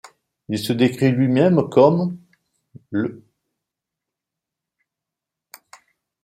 Il se décrit lui-même comme l'.